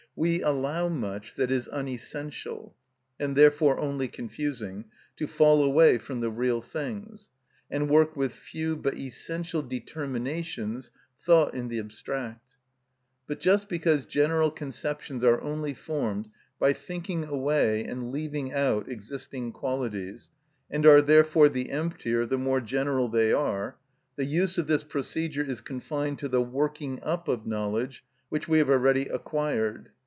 We allow much that is unessential, and therefore only confusing, to fall away from the real things, and work with few but essential determinations thought in the abstract. But just because general conceptions are only formed by thinking away and leaving out existing qualities, and are therefore the emptier the more general they are, the use of this procedure is confined to the working up of knowledge which we have already acquired.